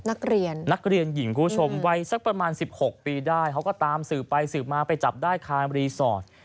นักเรียนนักเรียนหญิงคุณผู้ชมวัยสักประมาณ๑๖ปีได้เขาก็ตามสืบไปสืบมาไปจับได้คานรีสอร์ท